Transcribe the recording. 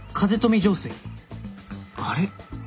あれ？